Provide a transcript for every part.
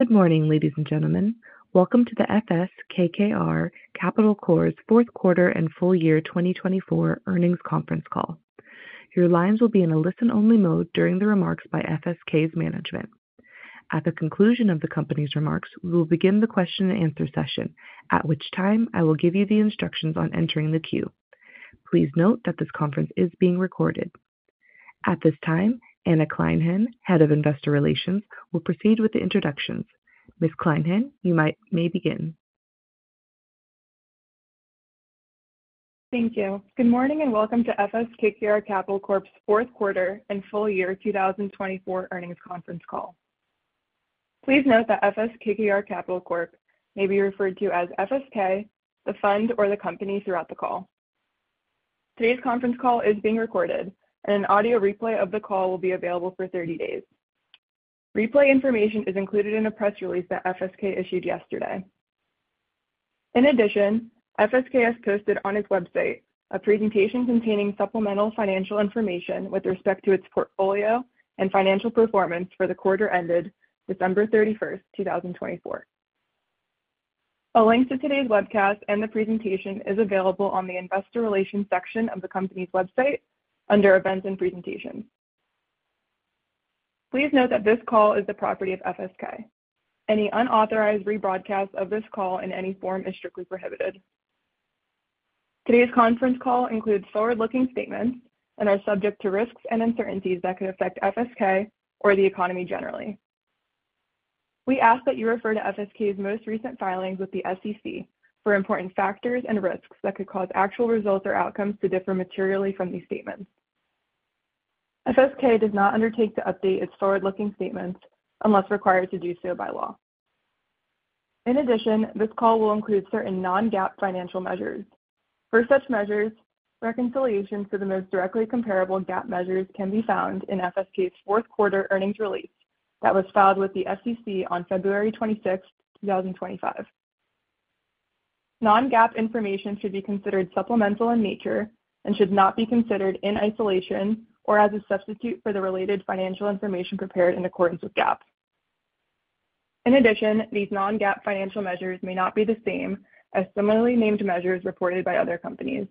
Good morning, ladies and gentlemen. Welcome to the FS KKR Capital Corp.'s fourth quarter and full year 2024 earnings conference call. Your lines will be in a listen-only mode during the remarks by FSK's management. At the conclusion of the company's remarks, we will begin the question-and-answer session, at which time I will give you the instructions on entering the queue. Please note that this conference is being recorded. At this time, Anna Kleinhenn, Head of Investor Relations, will proceed with the introductions. Ms. Kleinhenn, you may begin. Thank you. Good morning and welcome to FS KKR Capital Corp.'s fourth quarter and full year 2024 earnings conference call. Please note that FS KKR Capital Corp. may be referred to as FSK, the fund, or the company throughout the call. Today's conference call is being recorded, and an audio replay of the call will be available for 30 days. Replay information is included in a press release that FSK issued yesterday. In addition, FSK has posted on its website a presentation containing supplemental financial information with respect to its portfolio and financial performance for the quarter ended December 31st, 2024. A link to today's webcast and the presentation is available on the investor relations section of the company's website under events and presentations. Please note that this call is the property of FSK. Any unauthorized rebroadcast of this call in any form is strictly prohibited. Today's conference call includes forward-looking statements and are subject to risks and uncertainties that could affect FSK or the economy generally. We ask that you refer to FSK's most recent filings with the SEC for important factors and risks that could cause actual results or outcomes to differ materially from these statements. FSK does not undertake to update its forward-looking statements unless required to do so by law. In addition, this call will include certain non-GAAP financial measures. For such measures, reconciliations for the most directly comparable GAAP measures can be found in FSK's Q4 earnings release that was filed with the SEC on February 26th, 2025. Non-GAAP information should be considered supplemental in nature and should not be considered in isolation or as a substitute for the related financial information prepared in accordance with GAAP. In addition, these non-GAAP financial measures may not be the same as similarly named measures reported by other companies.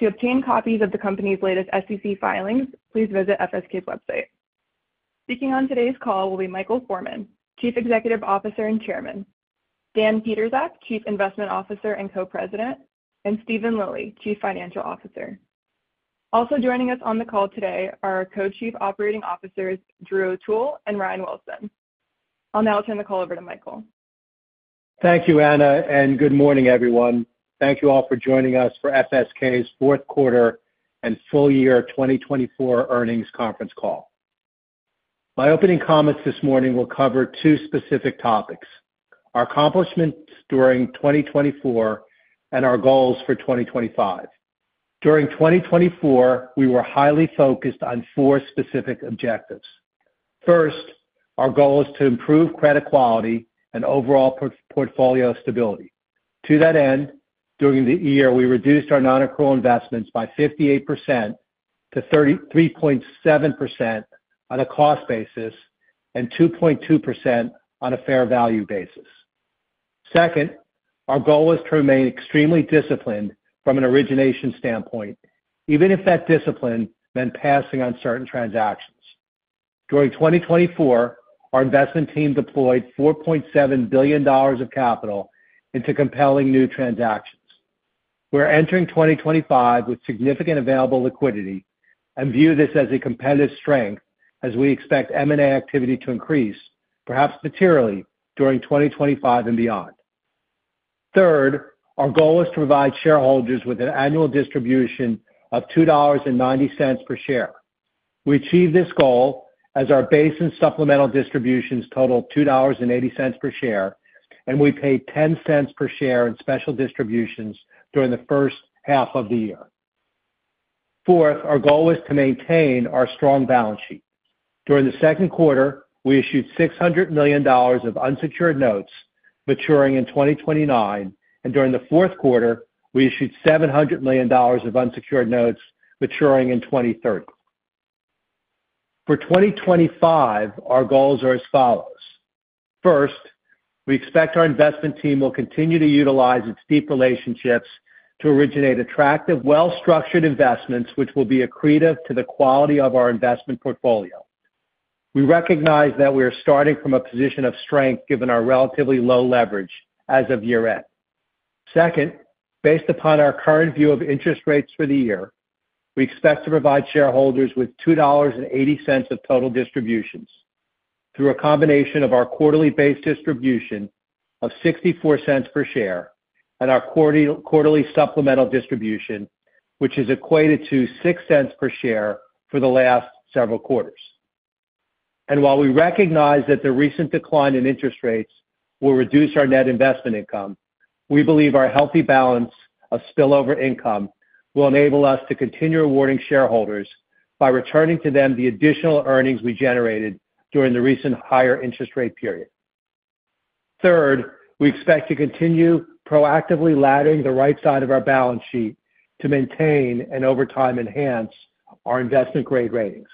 To obtain copies of the company's latest SEC filings, please visit FSK's website. Speaking on today's call will be Michael Forman, Chief Executive Officer and Chairman, Dan Pietrzak, Chief Investment Officer and Co-President, and Steven Lilly, Chief Financial Officer. Also joining us on the call today are our co-chief operating officers, Drew O'Toole and Ryan Wilson. I'll now turn the call over to Michael. Thank you, Anna, and good morning, everyone. Thank you all for joining us for FSK's fourth quarter and full year 2024 earnings conference call. My opening comments this morning will cover two specific topics: our accomplishments during 2024 and our goals for 2025. During 2024, we were highly focused on four specific objectives. First, our goal is to improve credit quality and overall portfolio stability. To that end, during the year, we reduced our non-accrual investments by 58% to 3.7% on a cost basis and 2.2% on a fair value basis. Second, our goal is to remain extremely disciplined from an origination standpoint, even if that discipline meant passing on certain transactions. During 2024, our investment team deployed $4.7 billion of capital into compelling new transactions. We're entering 2025 with significant available liquidity and view this as a competitive strength as we expect M&A activity to increase, perhaps materially, during 2025 and beyond. Third, our goal is to provide shareholders with an annual distribution of $2.90 per share. We achieved this goal as our base and supplemental distributions totaled $2.80 per share, and we paid $0.10 per share in special distributions during the first half of the year. Fourth, our goal is to maintain our strong balance sheet. During the second quarter, we issued $600 million of unsecured notes maturing in 2029, and during the Q4, we issued $700 million of unsecured notes maturing in 2030. For 2025, our goals are as follows. First, we expect our investment team will continue to utilize its deep relationships to originate attractive, well-structured investments which will be accretive to the quality of our investment portfolio. We recognize that we are starting from a position of strength given our relatively low leverage as of year-end. Second, based upon our current view of interest rates for the year, we expect to provide shareholders with $2.80 of total distributions through a combination of our quarterly base distribution of $0.64 per share and our quarterly supplemental distribution, which is equated to $0.06 per share for the last several quarters, and while we recognize that the recent decline in interest rates will reduce our net investment income, we believe our healthy balance of spillover income will enable us to continue rewarding shareholders by returning to them the additional earnings we generated during the recent higher interest rate period. Third, we expect to continue proactively laddering the right side of our balance sheet to maintain and over time enhance our investment-grade ratings.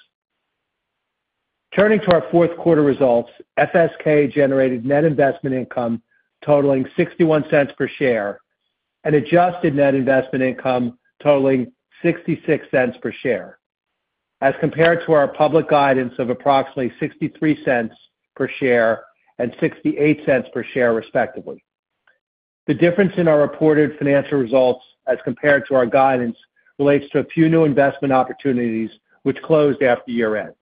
Turning to our Q4 results, FSK generated net investment income totaling $0.61 per share and adjusted net investment income totaling $0.66 per share, as compared to our public guidance of approximately $0.63 per share and $0.68 per share, respectively. The difference in our reported financial results as compared to our guidance relates to a few new investment opportunities which closed after year-end.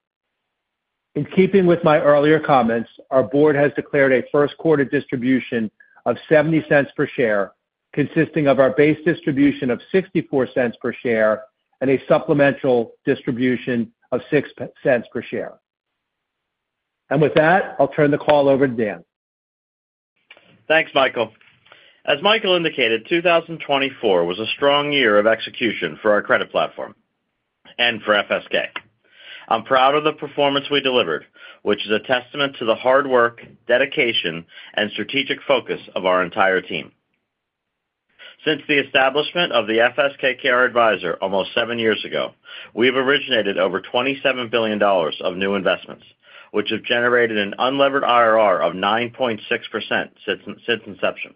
In keeping with my earlier comments, our board has declared a Q1 distribution of $0.70 per share, consisting of our base distribution of $0.64 per share and a supplemental distribution of $0.06 per share. And with that, I'll turn the call over to Dan. Thanks, Michael. As Michael indicated, 2024 was a strong year of execution for our credit platform and for FSK. I'm proud of the performance we delivered, which is a testament to the hard work, dedication, and strategic focus of our entire team. Since the establishment of the FS KKR Advisor almost seven years ago, we've originated over $27 billion of new investments, which have generated an unlevered IRR of 9.6% since inception.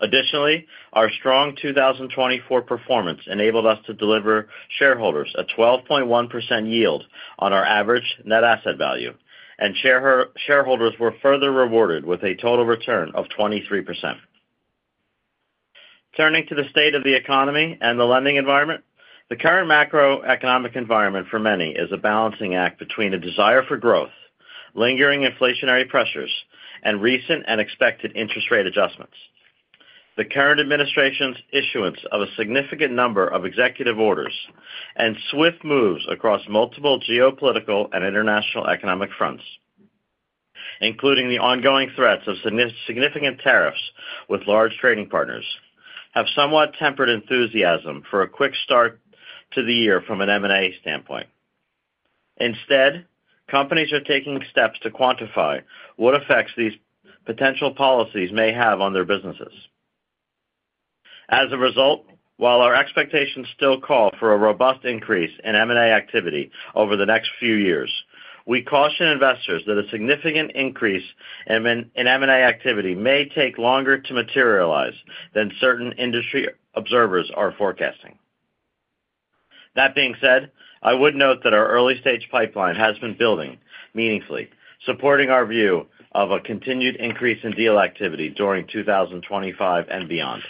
Additionally, our strong 2024 performance enabled us to deliver shareholders a 12.1% yield on our average net asset value, and shareholders were further rewarded with a total return of 23%. Turning to the state of the economy and the lending environment, the current macroeconomic environment for many is a balancing act between a desire for growth, lingering inflationary pressures, and recent and expected interest rate adjustments. The current administration's issuance of a significant number of executive orders and swift moves across multiple geopolitical and international economic fronts, including the ongoing threats of significant tariffs with large trading partners, have somewhat tempered enthusiasm for a quick start to the year from an M&A standpoint. Instead, companies are taking steps to quantify what effects these potential policies may have on their businesses. As a result, while our expectations still call for a robust increase in M&A activity over the next few years, we caution investors that a significant increase in M&A activity may take longer to materialize than certain industry observers are forecasting. That being said, I would note that our early-stage pipeline has been building meaningfully, supporting our view of a continued increase in deal activity during 2025 and beyond.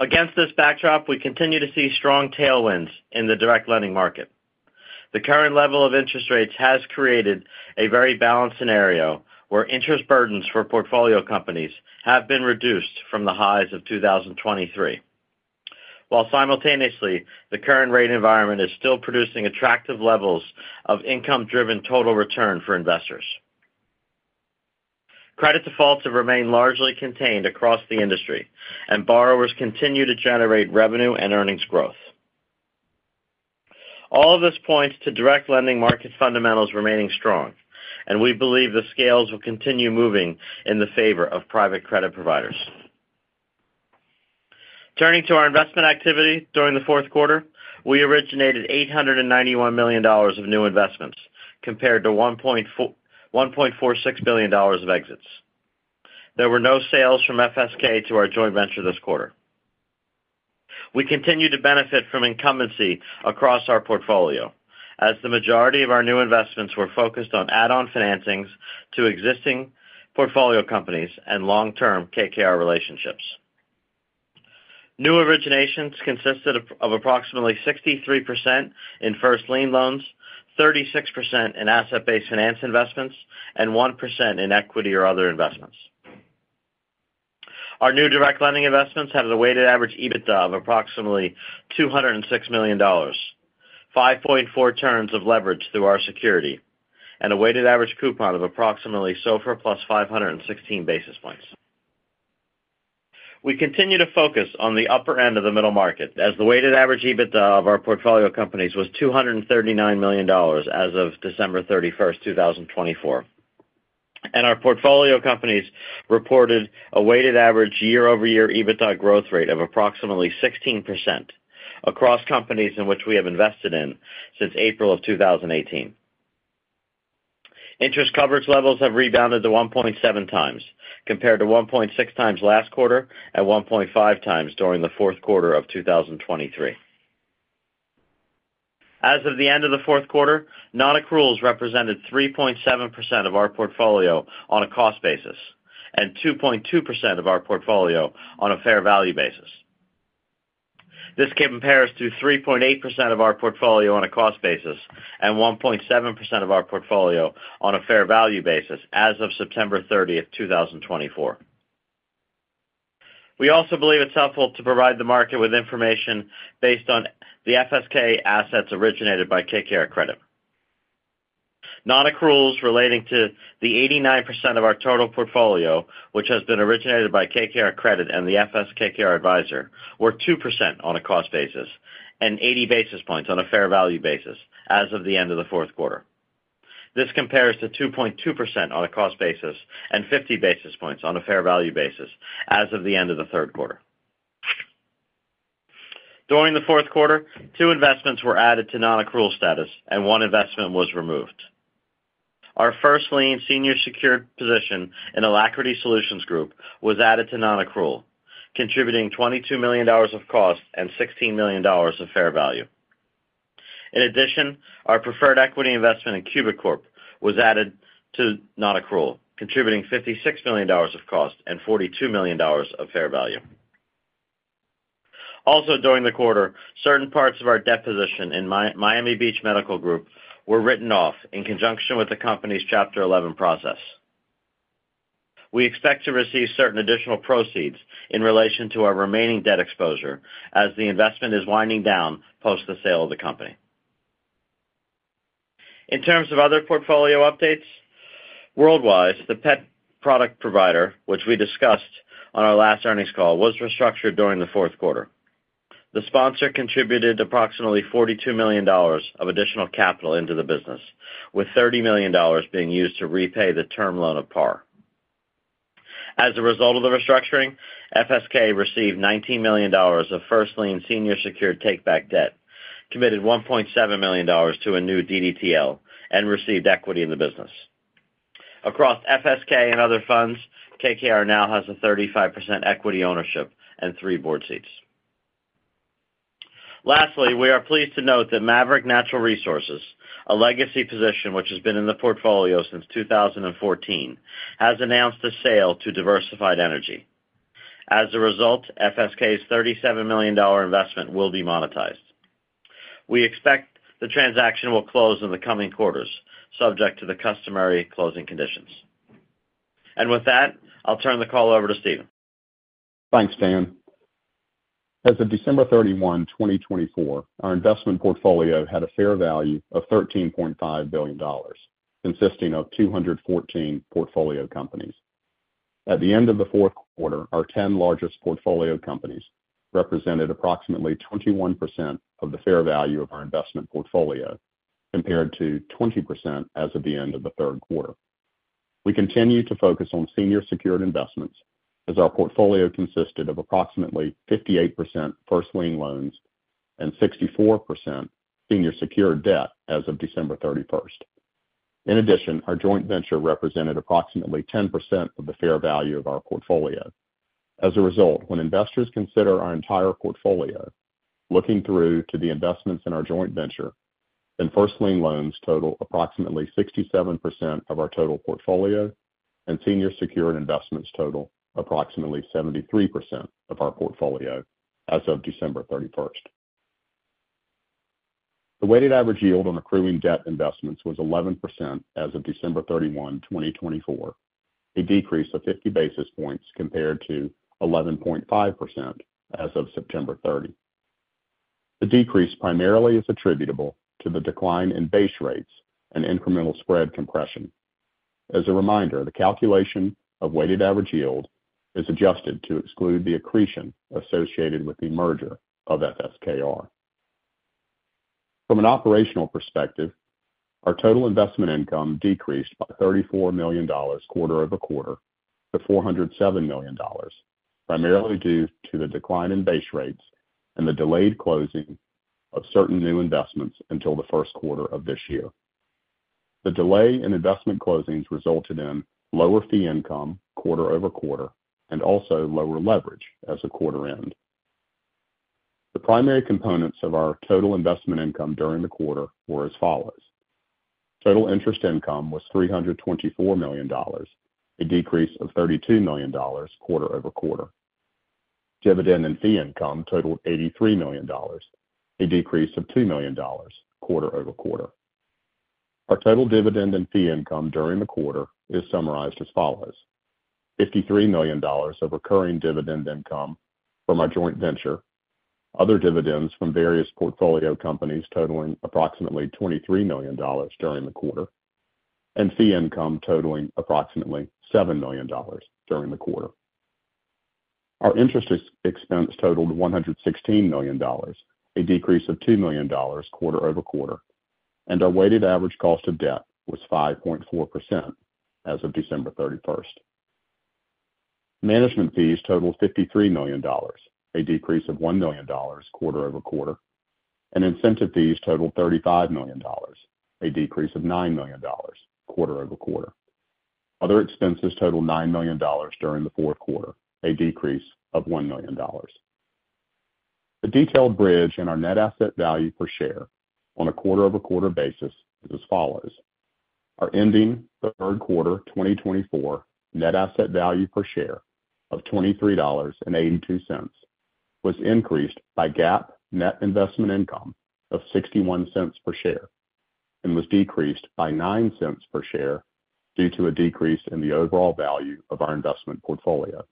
Against this backdrop, we continue to see strong tailwinds in the direct lending market. The current level of interest rates has created a very balanced scenario where interest burdens for portfolio companies have been reduced from the highs of 2023, while simultaneously the current rate environment is still producing attractive levels of income-driven total return for investors. Credit defaults have remained largely contained across the industry, and borrowers continue to generate revenue and earnings growth. All of this points to direct lending market fundamentals remaining strong, and we believe the scales will continue moving in the favor of private credit providers. Turning to our investment activity during the Q4, we originated $891 million of new investments compared to $1.46 billion of exits. There were no sales from FSK to our joint venture this quarter. We continue to benefit from incumbency across our portfolio, as the majority of our new investments were focused on add-on financings to existing portfolio companies and long-term KKR relationships. New originations consisted of approximately 63% in first lien loans, 36% in asset-based finance investments, and 1% in equity or other investments. Our new direct lending investments have a weighted average EBITDA of approximately $206 million, 5.4 turns of leverage through our security, and a weighted average coupon of approximately SOFR plus 516 basis points. We continue to focus on the upper end of the middle market, as the weighted average EBITDA of our portfolio companies was $239 million as of December 31st, 2024. And our portfolio companies reported a weighted average year-over-year EBITDA growth rate of approximately 16% across companies in which we have invested in since April of 2018. Interest coverage levels have rebounded to 1.7x compared to 1.6x last quarter and 1.5x during the fourth quarter of 2023. As of the end of the fourth quarter, non-accruals represented 3.7% of our portfolio on a cost basis and 2.2% of our portfolio on a fair value basis. This compares to 3.8% of our portfolio on a cost basis and 1.7% of our portfolio on a fair value basis as of September 30th, 2024. We also believe it's helpful to provide the market with information based on the FSK assets originated by KKR Credit. Non-accruals relating to the 89% of our total portfolio, which has been originated by KKR Credit and the FS KKR Advisor, were 2% on a cost basis and 80 basis points on a fair value basis as of the end of the Q4. This compares to 2.2% on a cost basis and 50 basis points on a fair value basis as of the end of the third quarter. During the fourth quarter, two investments were added to non-accrual status, and one investment was removed. Our first lien senior secured position in Alacrity Solutions Group was added to non-accrual, contributing $22 million of cost and $16 million of fair value. In addition, our preferred equity investment in Cubic Corp was added to non-accrual, contributing $56 million of cost and $42 million of fair value. Also, during the quarter, certain parts of our debt position in Miami Beach Medical Group were written off in conjunction with the company's Chapter 11 process. We expect to receive certain additional proceeds in relation to our remaining debt exposure as the investment is winding down post the sale of the company. In terms of other portfolio updates, Worldwise, the pet product provider, which we discussed on our last earnings call, was restructured during the fourth quarter. The sponsor contributed approximately $42 million of additional capital into the business, with $30 million being used to repay the term loan of par. As a result of the restructuring, FSK received $19 million of first lien senior secured take-back debt, committed $1.7 million to a new DDTL, and received equity in the business. Across FSK and other funds, KKR now has a 35% equity ownership and three board seats. Lastly, we are pleased to note that Maverick Natural Resources, a legacy position which has been in the portfolio since 2014, has announced a sale to Diversified Energy. As a result, FSK's $37 million investment will be monetized. We expect the transaction will close in the coming quarters, subject to the customary closing conditions and with that, I'll turn the call over to Steven. Thanks, Dan. As of December 31, 2024, our investment portfolio had a fair value of $13.5 billion, consisting of 214 portfolio companies. At the end of the fourth quarter, our 10 largest portfolio companies represented approximately 21% of the fair value of our investment portfolio, compared to 20% as of the end of the third quarter. We continue to focus on senior secured investments, as our portfolio consisted of approximately 58% first lien loans and 64% senior secured debt as of December 31st. In addition, our joint venture represented approximately 10% of the fair value of our portfolio. As a result, when investors consider our entire portfolio, looking through to the investments in our joint venture, then first lien loans total approximately 67% of our total portfolio and senior secured investments total approximately 73% of our portfolio as of December 31st. The weighted average yield on accruing debt investments was 11% as of December 31, 2024, a decrease of 50 basis points compared to 11.5% as of September 30. The decrease primarily is attributable to the decline in base rates and incremental spread compression. As a reminder, the calculation of weighted average yield is adjusted to exclude the accretion associated with the merger of FS KKR. From an operational perspective, our total investment income decreased by $34 million quarter over quarter to $407 million, primarily due to the decline in base rates and the delayed closing of certain new investments until the first quarter of this year. The delay in investment closings resulted in lower fee income quarter over quarter and also lower leverage as the quarter end. The primary components of our total investment income during the quarter were as follows. Total interest income was $324 million, a decrease of $32 million quarter-over-quarter. Dividend and fee income totaled $83 million, a decrease of $2 million quarter-over-quarter. Our total dividend and fee income during the quarter is summarized as follows: $53 million of recurring dividend income from our joint venture, other dividends from various portfolio companies totaling approximately $23 million during the quarter, and fee income totaling approximately $7 million during the quarter. Our interest expense totaled $116 million, a decrease of $2 million quarter-over-quarter, and our weighted average cost of debt was 5.4% as of December 31st. Management fees totaled $53 million, a decrease of $1 million quarter-over-quarter, and incentive fees totaled $35 million, a decrease of $9 million quarter-over-quarter. Other expenses totaled $9 million during the fourth quarter, a decrease of $1 million. A detailed bridge in our net asset value per share on a quarter over quarter basis is as follows: our ending, the third quarter 2024, net asset value per share of $23.82 was increased by GAAP net investment income of $0.61 per share and was decreased by $0.09 per share due to a decrease in the overall value of our investment portfolio.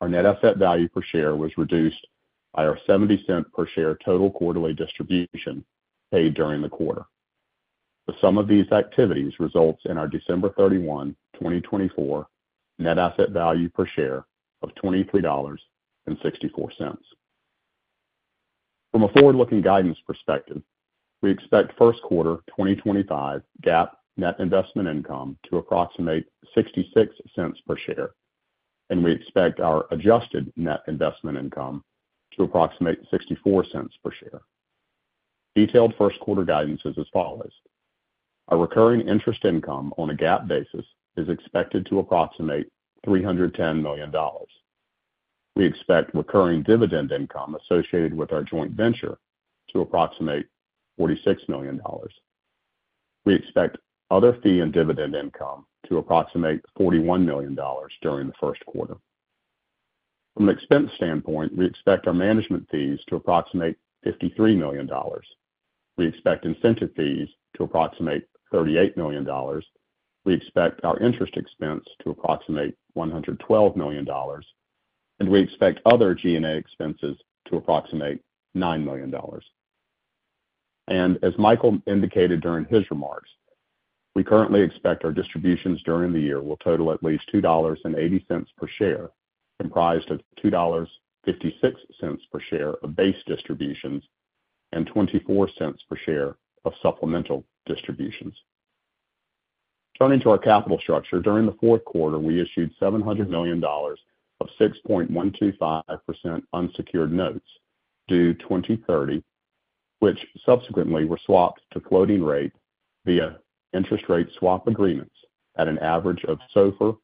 Our net asset value per share was reduced by our $0.70 per share total quarterly distribution paid during the quarter. The sum of these activities results in our December 31, 2024, net asset value per share of $23.64. From a forward-looking guidance perspective, we expect first quarter 2025 GAAP net investment income to approximate $0.66 per share, and we expect our adjusted net investment income to approximate $0.64 per share. Detailed Q1 guidance is as follows: our recurring interest income on a GAAP basis is expected to approximate $310 million. We expect recurring dividend income associated with our joint venture to approximate $46 million. We expect other fee and dividend income to approximate $41 million during the first quarter. From an expense standpoint, we expect our management fees to approximate $53 million. We expect incentive fees to approximate $38 million. We expect our interest expense to approximate $112 million, and we expect other G&A expenses to approximate $9 million. And as Michael indicated during his remarks, we currently expect our distributions during the year will total at least $2.80 per share, comprised of $2.56 per share of base distributions and $0.24 per share of supplemental distributions. Turning to our capital structure, during the fourth quarter, we issued $700 million of 6.125% unsecured notes due 2030, which subsequently were swapped to floating rate via interest rate swap agreements at an average of SOFR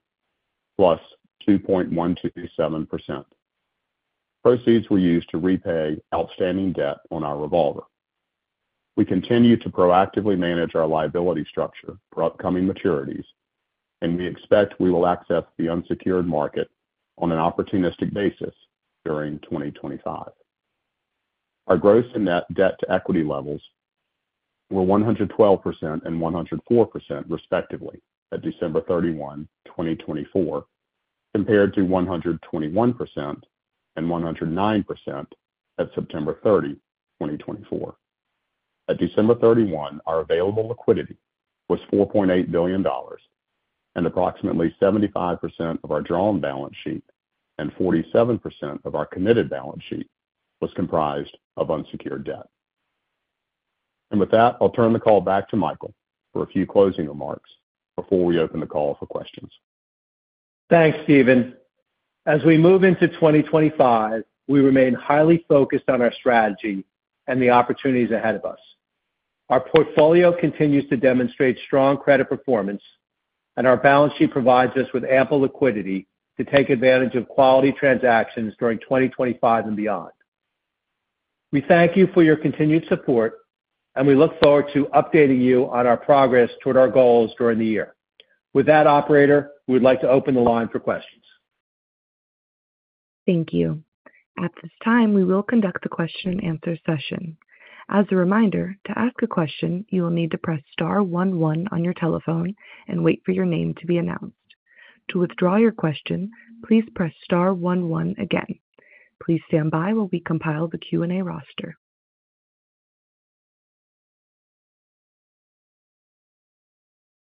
plus 2.127%. Proceeds were used to repay outstanding debt on our revolver. We continue to proactively manage our liability structure for upcoming maturities, and we expect we will access the unsecured market on an opportunistic basis during 2025. Our gross and net debt to equity levels were 112% and 104% respectively at December 31, 2024, compared to 121% and 109% at September 30, 2024. At December 31, our available liquidity was $4.8 billion, and approximately 75% of our drawn balance sheet and 47% of our committed balance sheet was comprised of unsecured debt. With that, I'll turn the call back to Michael for a few closing remarks before we open the call for questions. Thanks, Steven. As we move into 2025, we remain highly focused on our strategy and the opportunities ahead of us. Our portfolio continues to demonstrate strong credit performance, and our balance sheet provides us with ample liquidity to take advantage of quality transactions during 2025 and beyond. We thank you for your continued support, and we look forward to updating you on our progress toward our goals during the year. With that, operator, we would like to open the line for questions. Thank you. At this time, we will conduct the question-and-answer session. As a reminder, to ask a question, you will need to press star one one on your telephone and wait for your name to be announced. To withdraw your question, please press star one one again. Please stand by while we compile the Q&A roster.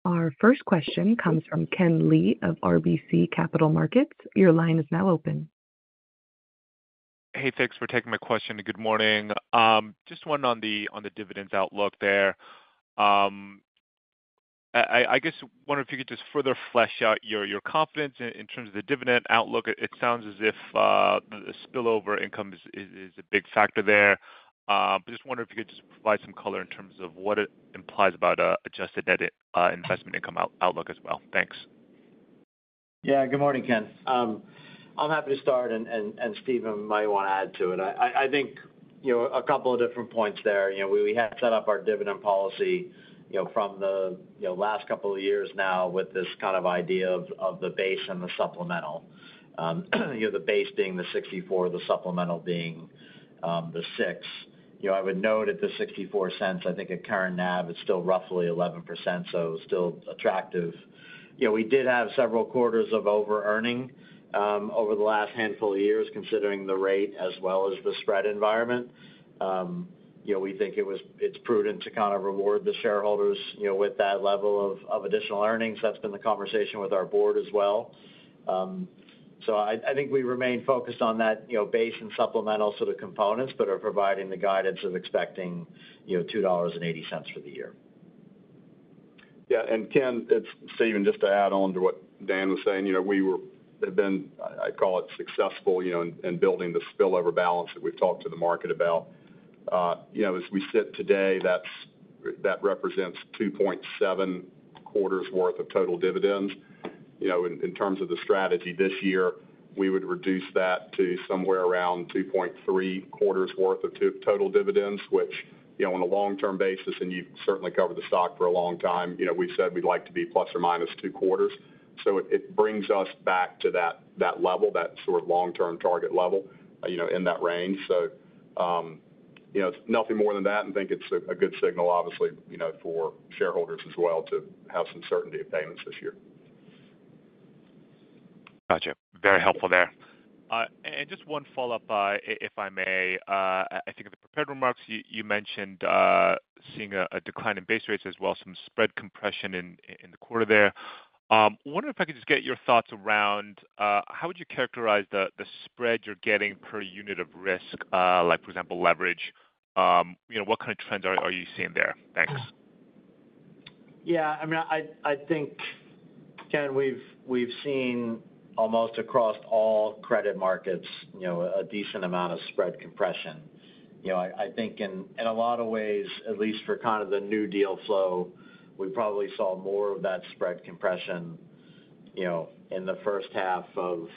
Our first question comes from Ken Lee of RBC Capital Markets. Your line is now open. Hey, thanks for taking my question. Good morning. Just one on the dividends outlook there. I guess wonder if you could just further flesh out your confidence in terms of the dividend outlook. It sounds as if the spillover income is a big factor there. Just wonder if you could just provide some color in terms of what it implies about adjusted investment income outlook as well. Thanks. Yeah, good morning, Ken. I'm happy to start, and Steven might want to add to it. I think a couple of different points there. We had set up our dividend policy from the last couple of years now with this kind of idea of the base and the supplemental, the base being the $0.64, the supplemental being the $0.06. I would note at the $0.64, I think at current NAV, it's still roughly 11%, so still attractive. We did have several quarters of over-earning over the last handful of years, considering the rate as well as the spread environment. We think it's prudent to kind of reward the shareholders with that level of additional earnings. That's been the conversation with our board as well. So I think we remain focused on that base and supplemental sort of components, but are providing the guidance of expecting $2.80 for the year. Yeah. And Ken, it's Steven, just to add on to what Dan was saying, we have been, I call it successful in building the spillover balance that we've talked to the market about. As we sit today, that represents 2.7 quarters' worth of total dividends. In terms of the strategy this year, we would reduce that to somewhere around 2.3 quarters' worth of total dividends, which on a long-term basis, and you've certainly covered the stock for a long time, we've said we'd like to be plus or minus two quarters. So it brings us back to that level, that sort of long-term target level in that range. So nothing more than that, and I think it's a good signal, obviously, for shareholders as well to have some certainty of payments this year. Gotcha. Very helpful there. And just one follow-up, if I may. I think in the prepared remarks, you mentioned seeing a decline in base rates as well, some spread compression in the quarter there. I wonder if I could just get your thoughts around how would you characterize the spread you're getting per unit of risk, like for example, leverage? What kind of trends are you seeing there? Thanks. Yeah. I mean, I think, Ken, we've seen almost across all credit markets a decent amount of spread compression. I think in a lot of ways, at least for kind of the new deal flow, we probably saw more of that spread compression in the first half of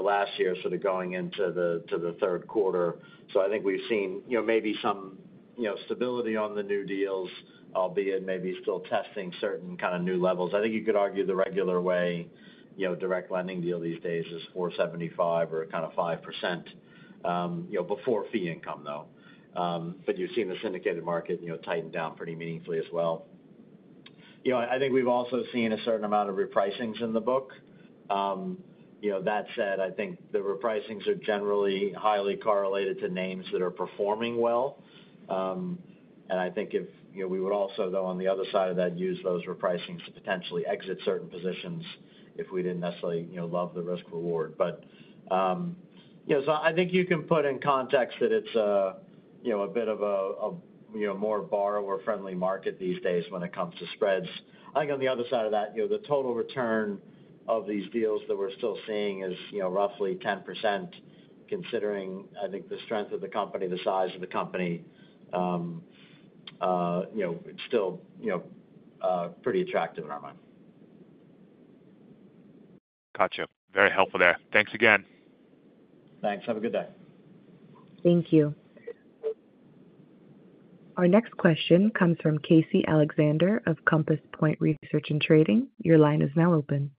last year sort of going into the third quarter. So I think we've seen maybe some stability on the new deals, albeit maybe still testing certain kind of new levels. I think you could argue the regular way direct lending deal these days is 4.75% or kind of 5% before fee income, though. But you've seen the syndicated market tighten down pretty meaningfully as well. I think we've also seen a certain amount of repricings in the book. That said, I think the repricings are generally highly correlated to names that are performing well. I think if we would also, though, on the other side of that, use those repricings to potentially exit certain positions if we didn't necessarily love the risk-reward. I think you can put in context that it's a bit of a more borrower-friendly market these days when it comes to spreads. I think on the other side of that, the total return of these deals that we're still seeing is roughly 10%, considering I think the strength of the company, the size of the company, still pretty attractive in our mind. Gotcha. Very helpful there. Thanks again. Thanks. Have a good day. Thank you. Our next question comes from Casey Alexander of Compass Point Research and Trading. Your line is now open.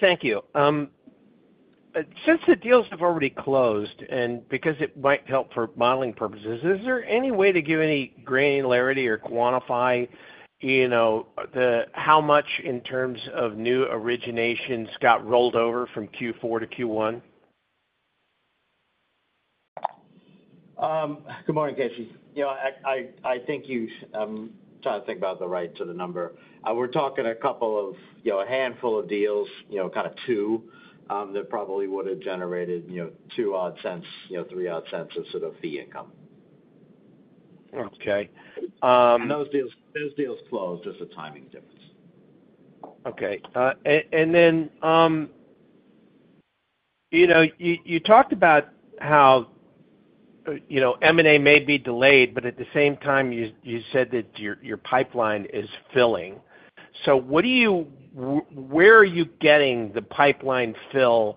Thank you. Since the deals have already closed, and because it might help for modeling purposes, is there any way to give any granularity or quantify how much in terms of new originations got rolled over from Q4 to Q1? Good morning, Casey. I think you've. I'm trying to think about the right sort of number. We're talking a couple of a handful of deals, kind of two, that probably would have generated two odd cents, three odd cents of sort of fee income. Okay. Those deals closed just a timing difference. Okay, and then you talked about how M&A may be delayed, but at the same time, you said that your pipeline is filling, so where are you getting the pipeline fill?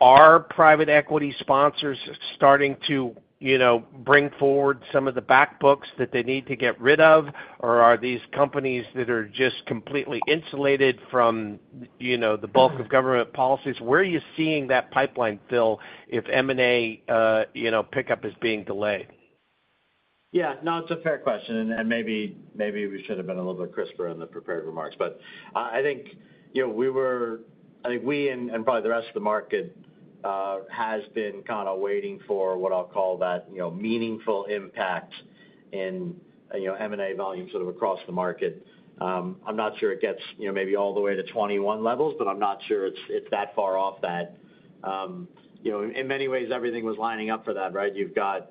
Are private equity sponsors starting to bring forward some of the backbooks that they need to get rid of, or are these companies that are just completely insulated from the bulk of government policies? Where are you seeing that pipeline fill if M&A pickup is being delayed? Yeah. No, it's a fair question, and maybe we should have been a little bit crisper in the prepared remarks. But I think we were, I think we and probably the rest of the market has been kind of waiting for what I'll call that meaningful impact in M&A volume sort of across the market. I'm not sure it gets maybe all the way to 21 levels, but I'm not sure it's that far off that. In many ways, everything was lining up for that, right? You've got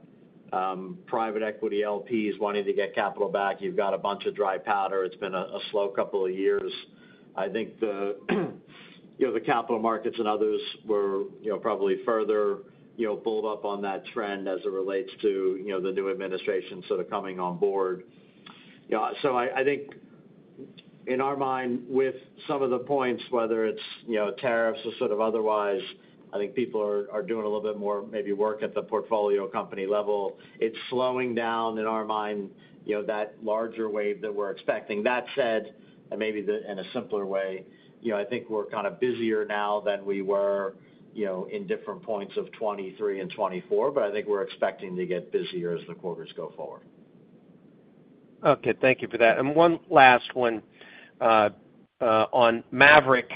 private equity LPs wanting to get capital back. You've got a bunch of dry powder. It's been a slow couple of years. I think the capital markets and others were probably further pulled up on that trend as it relates to the new administration sort of coming on board. So, I think in our mind, with some of the points, whether it's tariffs or sort of otherwise, I think people are doing a little bit more maybe work at the portfolio company level. It's slowing down in our mind, that larger wave that we're expecting. That said, and maybe in a simpler way, I think we're kind of busier now than we were in different points of 2023 and 2024, but I think we're expecting to get busier as the quarters go forward. Okay. Thank you for that. And one last one on Maverick.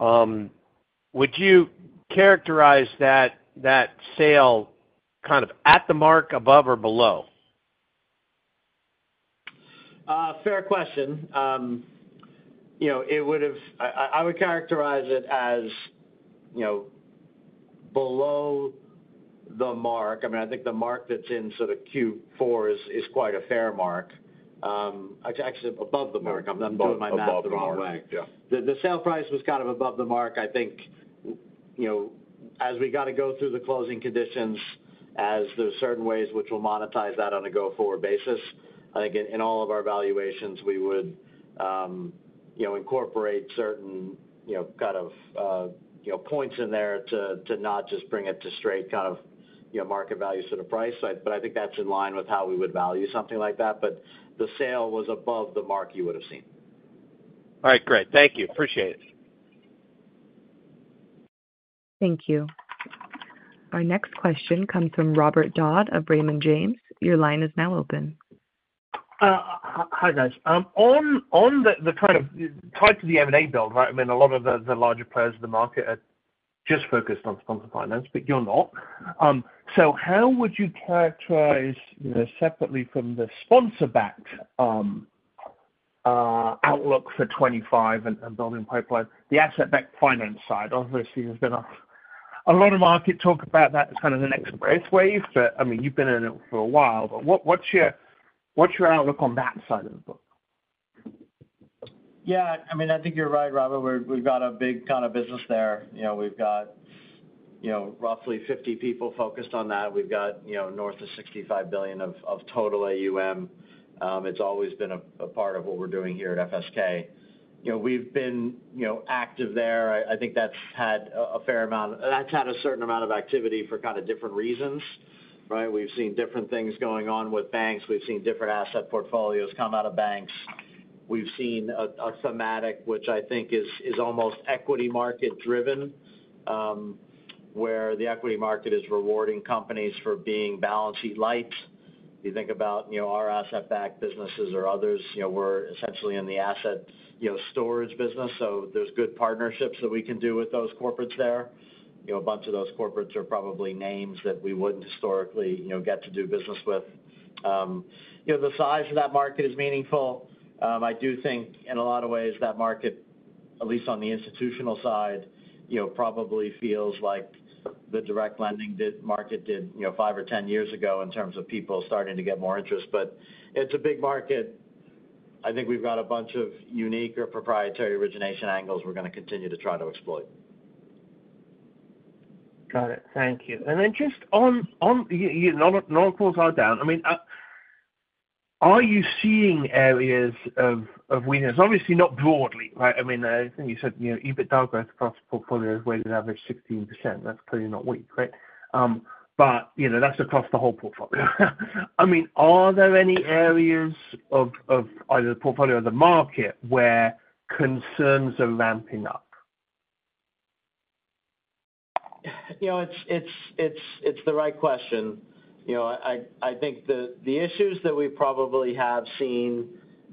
Would you characterize that sale kind of at the mark, above, or below? Fair question. It would have. I would characterize it as below the mark. I mean, I think the mark that's in sort of Q4 is quite a fair mark. Actually, above the mark. I'm not doing my math the wrong way. The sale price was kind of above the mark. I think as we got to go through the closing conditions, as there are certain ways which will monetize that on a go-forward basis, I think in all of our valuations, we would incorporate certain kind of points in there to not just bring it to straight kind of market value sort of price. But I think that's in line with how we would value something like that. But the sale was above the mark you would have seen. All right. Great. Thank you. Appreciate it. Thank you. Our next question comes from Robert Dodd of Raymond James. Your line is now open. Hi, guys. On the kind of tied to the M&A build, right? I mean, a lot of the larger players in the market are just focused on sponsored finance, but you're not. So how would you characterize separately from the sponsor-backed outlook for 2025 and building pipeline, the asset-backed finance side? Obviously, there's been a lot of market talk about that as kind of the next growth wave, but I mean, you've been in it for a while. But what's your outlook on that side of the book? Yeah. I mean, I think you're right, Robert. We've got a big kind of business there. We've got roughly 50 people focused on that. We've got north of $65 billion of total AUM. It's always been a part of what we're doing here at FSK. We've been active there. I think that's had a fair amount of - that's had a certain amount of activity for kind of different reasons, right? We've seen different things going on with banks. We've seen different asset portfolios come out of banks. We've seen a thematic which I think is almost equity market-driven, where the equity market is rewarding companies for being balance sheet light. If you think about our asset-backed businesses or others, we're essentially in the asset storage business. So there's good partnerships that we can do with those corporates there. A bunch of those corporates are probably names that we wouldn't historically get to do business with. The size of that market is meaningful. I do think in a lot of ways that market, at least on the institutional side, probably feels like the direct lending market did five or 10 years ago in terms of people starting to get more interest. But it's a big market. I think we've got a bunch of unique or proprietary origination angles we're going to continue to try to exploit. Got it. Thank you. And then just on non-accruals down. I mean, are you seeing areas of weakness? Obviously, not broadly, right? I mean, I think you said EBITDA growth across the portfolio is weighted average 16%. That's clearly not weak, right? But that's across the whole portfolio. I mean, are there any areas of either the portfolio or the market where concerns are ramping up? It's the right question. I think the issues that we probably have seen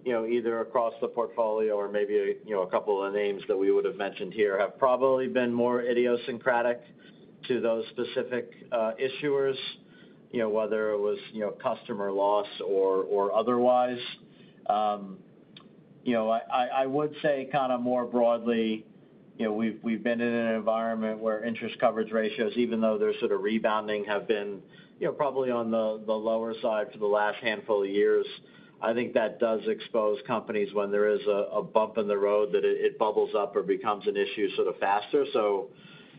either across the portfolio or maybe a couple of the names that we would have mentioned here have probably been more idiosyncratic to those specific issuers, whether it was customer loss or otherwise. I would say kind of more broadly, we've been in an environment where interest coverage ratios, even though they're sort of rebounding, have been probably on the lower side for the last handful of years. I think that does expose companies when there is a bump in the road that it bubbles up or becomes an issue sort of faster. So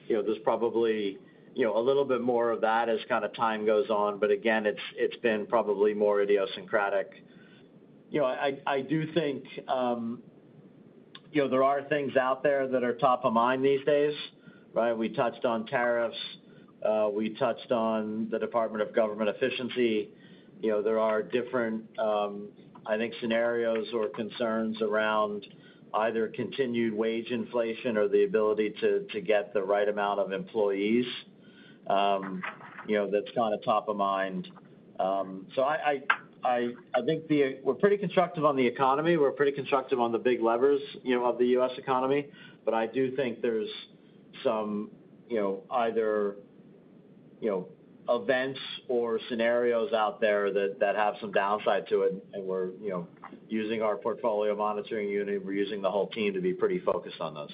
there's probably a little bit more of that as kind of time goes on. But again, it's been probably more idiosyncratic. I do think there are things out there that are top of mind these days, right? We touched on tariffs. We touched on the Department of Government Efficiency. There are different, I think, scenarios or concerns around either continued wage inflation or the ability to get the right amount of employees. That's kind of top of mind. So I think we're pretty constructive on the economy. We're pretty constructive on the big levers of the U.S. economy. But I do think there's some either events or scenarios out there that have some downside to it, and we're using our portfolio monitoring unit. We're using the whole team to be pretty focused on those.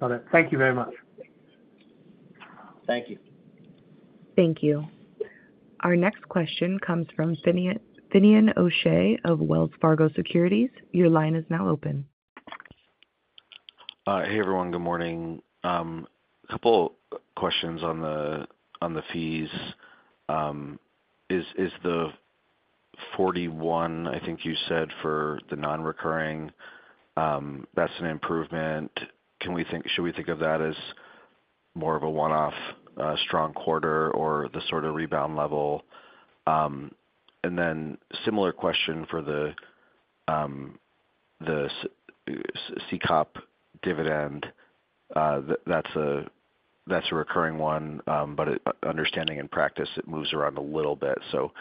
Got it. Thank you very much. Thank you. Thank you. Our next question comes from Finian O'Shea of Wells Fargo Securities. Your line is now open. Hey, everyone. Good morning. A couple of questions on the fees. Is the $41 million, I think you said, for the non-recurring? That's an improvement? Should we think of that as more of a one-off strong quarter or the sort of rebound level? And then similar question for the COP dividend. That's a recurring one, but understanding in practice, it moves around a little bit. So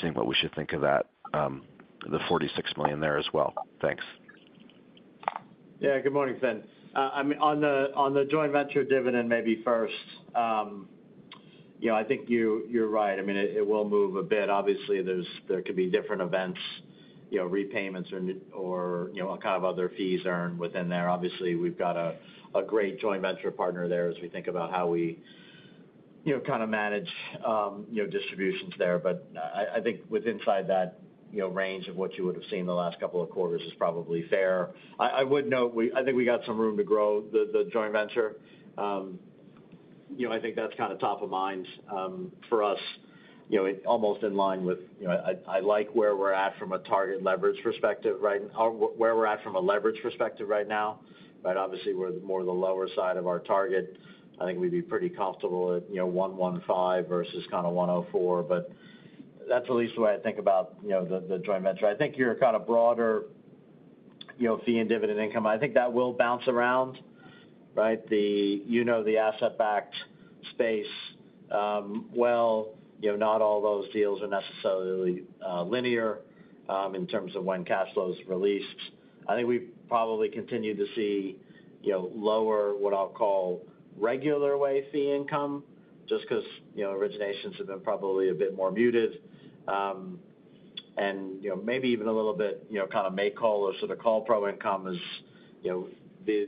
seeing what we should think of that, the $46 million there as well. Thanks. Yeah. Good morning, Fin. I mean, on the joint venture dividend, maybe first, I think you're right. I mean, it will move a bit. Obviously, there could be different events, repayments, or kind of other fees earned within there. Obviously, we've got a great joint venture partner there as we think about how we kind of manage distributions there. But I think within that range of what you would have seen the last couple of quarters is probably fair. I would note I think we got some room to grow the joint venture. I think that's kind of top of mind for us, almost in line with I like where we're at from a target leverage perspective, right? Where we're at from a leverage perspective right now, right? Obviously, we're more on the lower side of our target. I think we'd be pretty comfortable at 1.15 versus kind of 1.04. But that's at least the way I think about the joint venture. I think your kind of broader fee and dividend income, I think that will bounce around, right? You know the asset-backed space well. Not all those deals are necessarily linear in terms of when cash flow is released. I think we probably continue to see lower, what I'll call, regular way fee income just because originations have been probably a bit more muted. And maybe even a little bit kind of make-whole or sort of call protection income as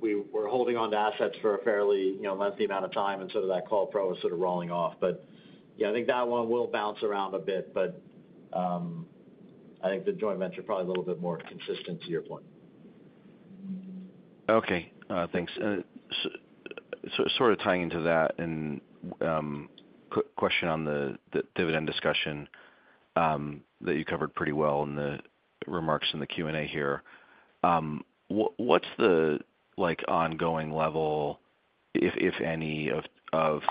we're holding on to assets for a fairly lengthy amount of time, and sort of that call protection is sort of rolling off. But I think that one will bounce around a bit, but I think the joint venture is probably a little bit more consistent to your point. Okay. Thanks. Sort of tying into that and question on the dividend discussion that you covered pretty well in the remarks in the Q&A here. What's the ongoing level, if any, of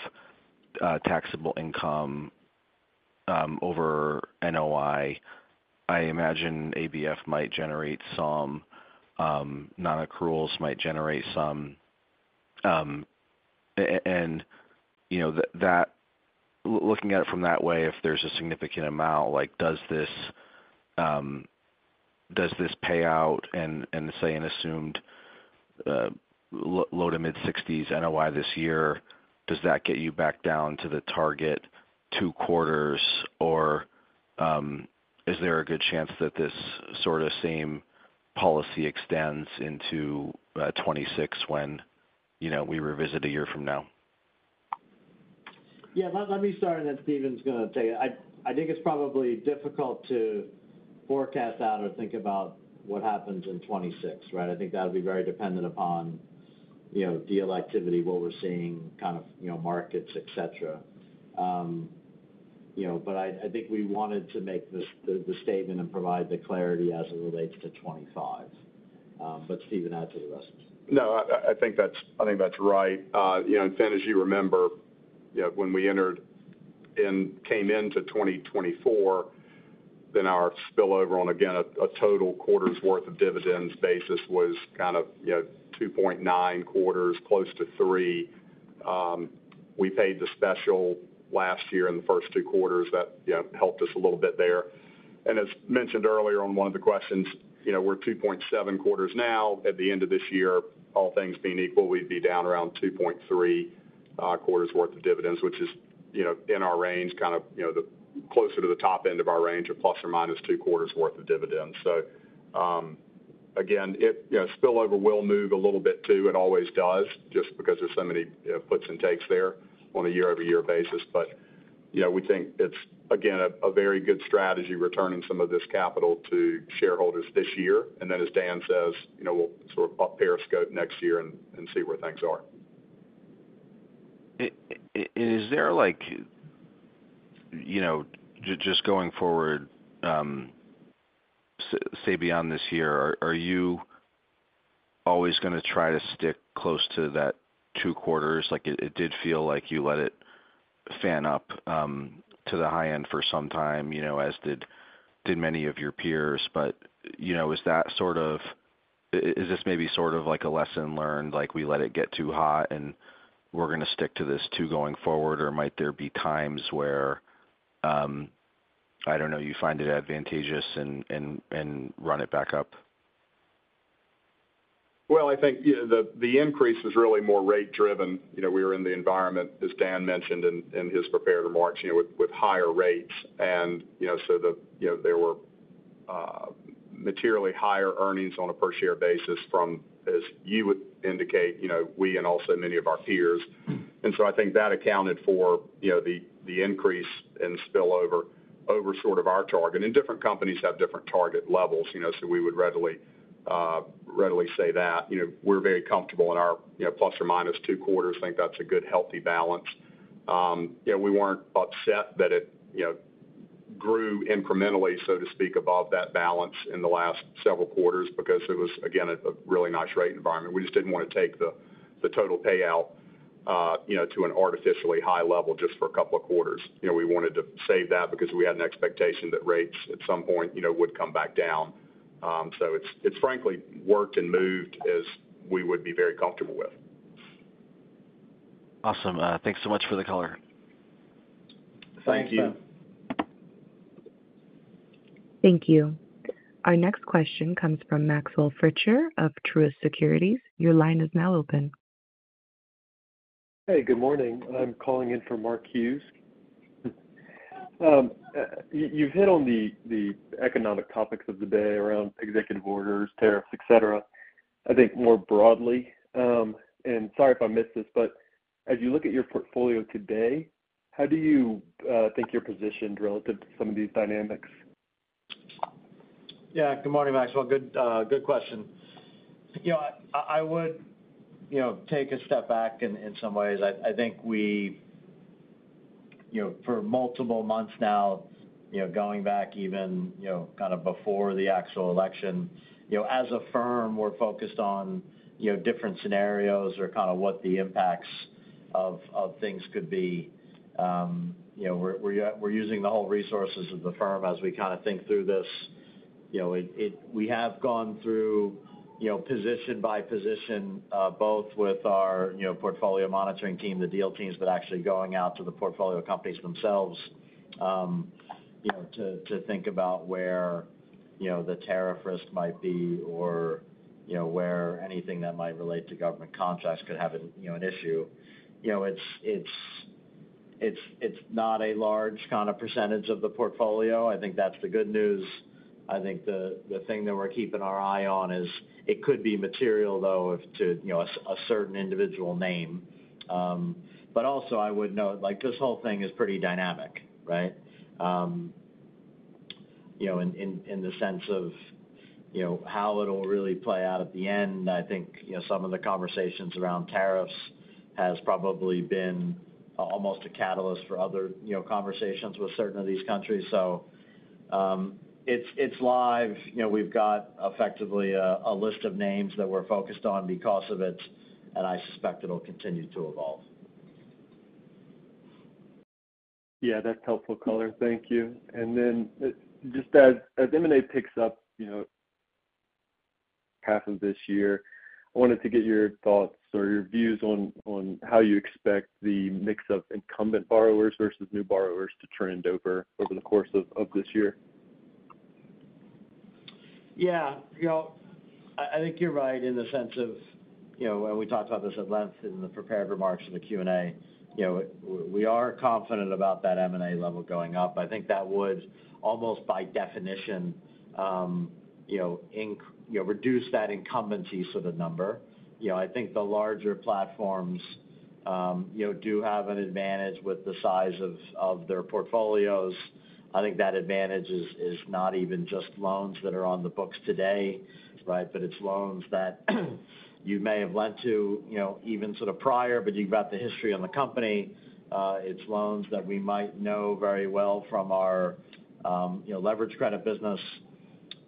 taxable income over NOI? I imagine ABF might generate some. Non-accruals might generate some. And looking at it from that way, if there's a significant amount, does this pay out? And say an assumed low- to mid-60s NOI this year, does that get you back down to the target two quarters, or is there a good chance that this sort of same policy extends into 2026 when we revisit a year from now? Yeah. Let me start on that, Steven's going to take it. I think it's probably difficult to forecast out or think about what happens in 2026, right? I think that'll be very dependent upon deal activity, what we're seeing, kind of markets, etc. But I think we wanted to make the statement and provide the clarity as it relates to 2025. But Steven adds to the rest. No, I think that's right. And Finn, as you remember, when we entered and came into 2024, then our spillover on, again, a total quarter's worth of dividends basis was kind of 2.9 quarters, close to 3. We paid the special last year in the first two quarters. That helped us a little bit there. And as mentioned earlier on one of the questions, we're 2.7 quarters now. At the end of this year, all things being equal, we'd be down around 2.3 quarters' worth of dividends, which is in our range, kind of closer to the top end of our range of plus or minus two quarters' worth of dividends. So again, spillover will move a little bit too. It always does just because there's so many puts and takes there on a year-over-year basis. We think it's, again, a very good strategy returning some of this capital to shareholders this year. As Dan says, we'll sort of up our scope next year and see where things are. Is there just going forward, say beyond this year, are you always going to try to stick close to that two quarters? It did feel like you let it run up to the high end for some time, as did many of your peers. Is that sort of this maybe sort of like a lesson learned, like we let it get too hot and we're going to stick to this too going forward? Might there be times where, I don't know, you find it advantageous and run it back up? I think the increase was really more rate-driven. We were in the environment, as Dan mentioned in his prepared remarks, with higher rates, and so there were materially higher earnings on a per-share basis from, as you would indicate, we and also many of our peers, and so I think that accounted for the increase in spillover over sort of our target, and different companies have different target levels, so we would readily say that. We're very comfortable in our plus or minus two quarters. I think that's a good, healthy balance. We weren't upset that it grew incrementally, so to speak, above that balance in the last several quarters because it was, again, a really nice rate environment. We just didn't want to take the total payout to an artificially high level just for a couple of quarters. We wanted to save that because we had an expectation that rates at some point would come back down. So it's frankly worked and moved as we would be very comfortable with. Awesome. Thanks so much for the color. Thank you. Thank you. Our next question comes from Maxwell Fritscher of Truist Securities. Your line is now open. Hey, good morning. I'm calling in from Mark Hughes. You've hit on the economic topics of the day around executive orders, tariffs, etc., I think more broadly. And sorry if I missed this, but as you look at your portfolio today, how do you think you're positioned relative to some of these dynamics? Yeah. Good morning, Maxwell. Good question. I would take a step back in some ways. I think we, for multiple months now, going back even kind of before the actual election, as a firm, we're focused on different scenarios or kind of what the impacts of things could be. We're using the whole resources of the firm as we kind of think through this. We have gone through position by position, both with our portfolio monitoring team, the deal teams, but actually going out to the portfolio companies themselves to think about where the tariff risk might be or where anything that might relate to government contracts could have an issue. It's not a large kind of percentage of the portfolio. I think that's the good news. I think the thing that we're keeping our eye on is it could be material, though, to a certain individual name. But also, I would note this whole thing is pretty dynamic, right? In the sense of how it'll really play out at the end, I think some of the conversations around tariffs has probably been almost a catalyst for other conversations with certain of these countries. So it's live. We've got effectively a list of names that we're focused on because of it, and I suspect it'll continue to evolve. Yeah. That's helpful color. Thank you. And then just as M&A picks up half of this year, I wanted to get your thoughts or your views on how you expect the mix of incumbent borrowers versus new borrowers to trend over the course of this year? Yeah. I think you're right in the sense of, and we talked about this at length in the prepared remarks in the Q&A, we are confident about that M&A level going up. I think that would almost by definition reduce that incumbency sort of number. I think the larger platforms do have an advantage with the size of their portfolios. I think that advantage is not even just loans that are on the books today, right? But it's loans that you may have lent to even sort of prior, but you've got the history on the company. It's loans that we might know very well from our leverage credit business.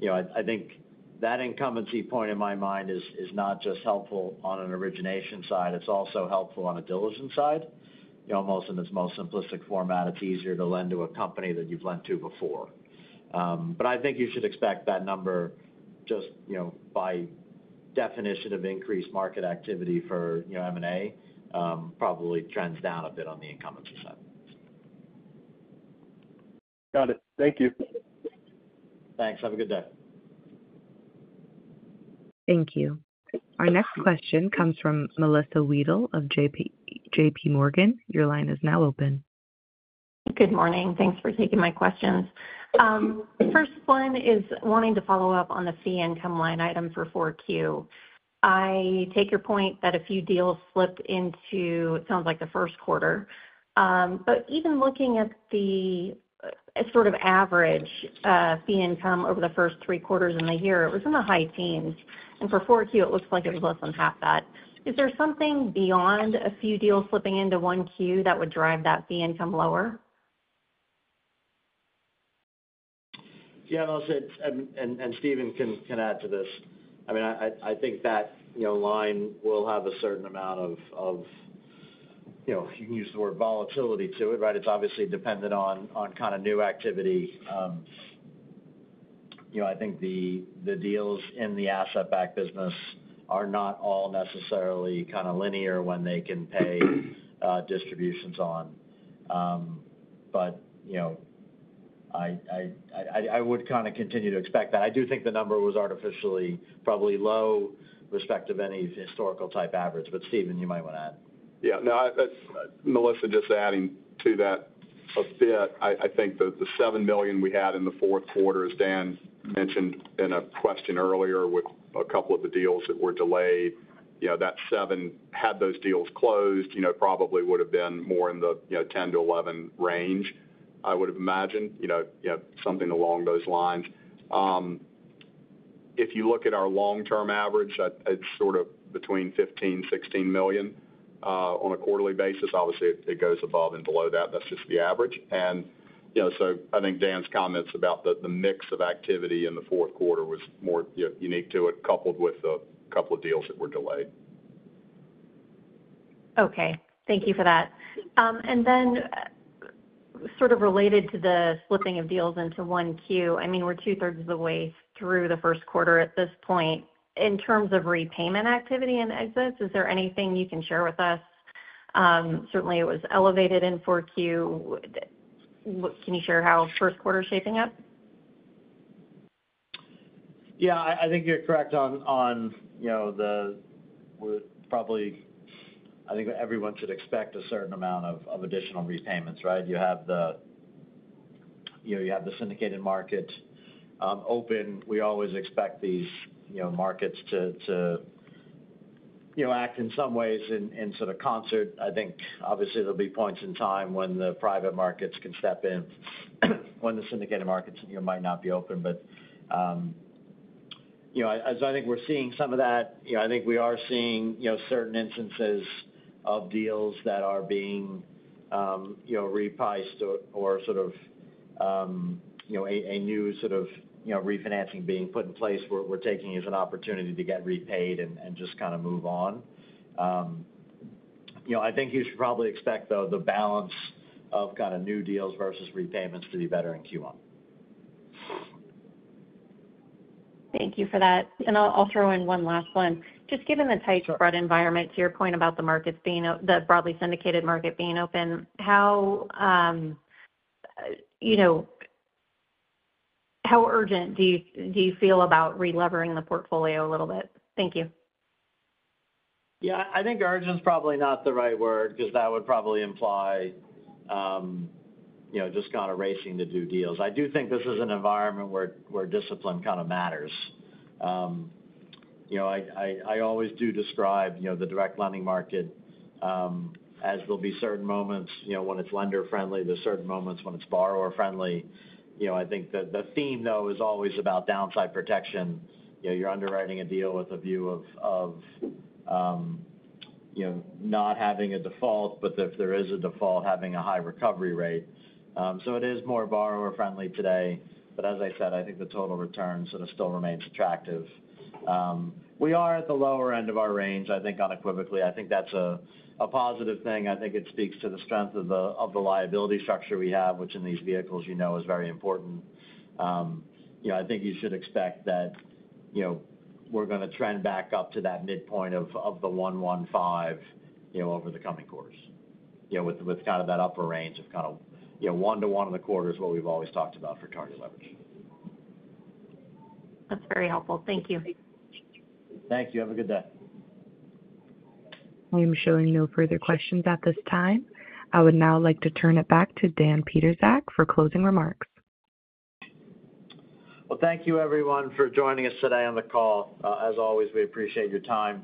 I think that incumbency point in my mind is not just helpful on an origination side. It's also helpful on a diligence side. Almost in its most simplistic format, it's easier to lend to a company that you've lent to before. But I think you should expect that number just by definition of increased market activity for M&A probably trends down a bit on the incumbency side. Got it. Thank you. Thanks. Have a good day. Thank you. Our next question comes from Melissa Wedel of JPMorgan. Your line is now open. Good morning. Thanks for taking my questions. The first one is wanting to follow up on the fee income line item for 4Q. I take your point that a few deals slipped into, it sounds like, the first quarter. But even looking at the sort of average fee income over the first three quarters in the year, it was in the high teens. And for 4Q, it looks like it was less than half that. Is there something beyond a few deals slipping into 1Q that would drive that fee income lower? Yeah. And Steven can add to this. I mean, I think that line will have a certain amount of you can use the word volatility to it, right? It's obviously dependent on kind of new activity. I think the deals in the asset-backed business are not all necessarily kind of linear when they can pay distributions on. But I would kind of continue to expect that. I do think the number was artificially probably low with respect to any historical type average. But Steven, you might want to add. Yeah. No, Melissa, just adding to that a bit, I think that the $7 million we had in the Q4, as Dan mentioned in a question earlier with a couple of the deals that were delayed, that $7 million had those deals closed, probably would have been more in the $10 million-$11 million range, I would have imagined, something along those lines. If you look at our long-term average, it's sort of between $15 million-$16 million on a quarterly basis. Obviously, it goes above and below that. That's just the average. And so I think Dan's comments about the mix of activity in the fourth quarter was more unique to it, coupled with a couple of deals that were delayed. Okay. Thank you for that. And then sort of related to the slipping of deals into 1Q, I mean, we're two-thirds of the way through the first quarter at this point. In terms of repayment activity and exits, is there anything you can share with us? Certainly, it was elevated in 4Q. Can you share how first quarter is shaping up? Yeah. I think you're correct on the probably I think everyone should expect a certain amount of additional repayments, right? You have the syndicated market open. We always expect these markets to act in some ways in sort of concert. I think, obviously, there'll be points in time when the private markets can step in, when the syndicated markets might not be open. But as I think we're seeing some of that, I think we are seeing certain instances of deals that are being repriced or sort of a new sort of refinancing being put in place where we're taking as an opportunity to get repaid and just kind of move on. I think you should probably expect, though, the balance of kind of new deals versus repayments to be better in Q1. Thank you for that. And I'll throw in one last one. Just given the tight spread environment, to your point about the markets being the broadly syndicated market being open, how urgent do you feel about re-levering the portfolio a little bit? Thank you. Yeah. I think urgent is probably not the right word because that would probably imply just kind of racing to do deals. I do think this is an environment where discipline kind of matters. I always do describe the direct lending market as there'll be certain moments when it's lender-friendly. There's certain moments when it's borrower-friendly. I think the theme, though, is always about downside protection. You're underwriting a deal with a view of not having a default, but if there is a default, having a high recovery rate. So it is more borrower-friendly today. But as I said, I think the total return sort of still remains attractive. We are at the lower end of our range, I think, unequivocally. I think that's a positive thing. I think it speaks to the strength of the liability structure we have, which in these vehicles you know is very important. I think you should expect that we're going to trend back up to that midpoint of the 1.15 over the coming quarters with kind of that upper range of kind of 1 to 1 in quarters, what we've always talked about for target leverage. That's very helpful. Thank you. Thank you. Have a good day. I'm showing no further questions at this time. I would now like to turn it back to Dan Pietrzak for closing remarks. Thank you, everyone, for joining us today on the call. As always, we appreciate your time.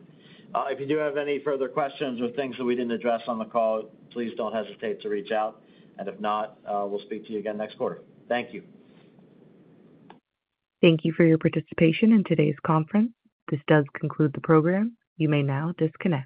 If you do have any further questions or things that we didn't address on the call, please don't hesitate to reach out. And if not, we'll speak to you again next quarter. Thank you. Thank you for your participation in today's conference. This does conclude the program. You may now disconnect.